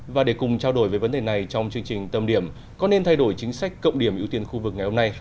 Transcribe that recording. và để cùng trao đổi về vấn đề này trong chương trình tâm điểm có nên thay đổi chính sách cộng điểm ưu tiên khu vực ngày hôm nay